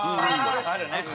あるね。